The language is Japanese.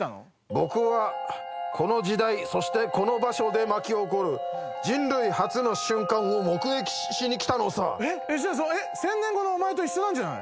僕はこの時代そしてこの場所で巻き起こる人類初の瞬間を目撃しに来たのさ。じゃあ１０００年後のお前と一緒なんじゃない？